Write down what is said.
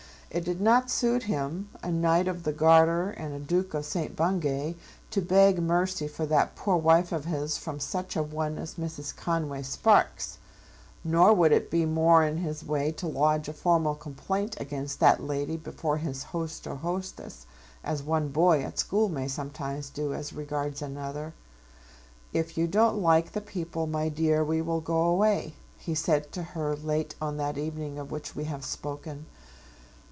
It did not suit him, a Knight of the Garter and a Duke of St. Bungay, to beg mercy for that poor wife of his from such a one as Mrs. Conway Sparkes; nor would it be more in his way to lodge a formal complaint against that lady before his host or hostess, as one boy at school may sometimes do as regards another. "If you don't like the people, my dear, we will go away," he said to her late on that evening of which we have spoken.